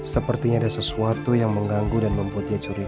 sepertinya ada sesuatu yang mengganggu dan membuat dia curiga